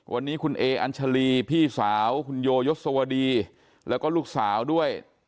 วันนี้คุณเออัญชาลีพี่สาวคุณโยยศวดีแล้วก็ลูกสาวด้วย